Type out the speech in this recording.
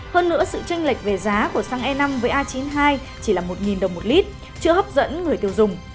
hơn nữa sự tranh lệch về giá của xăng e năm với a chín mươi hai chỉ là một đồng một lít chưa hấp dẫn người tiêu dùng